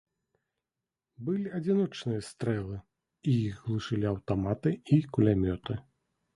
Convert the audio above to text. Былі адзіночныя стрэлы, і іх глушылі аўтаматы і кулямёты.